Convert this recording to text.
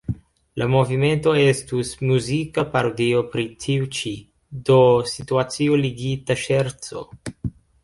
La movimento estus muzika parodio pri tiu ĉi, do situacio-ligita ŝerco.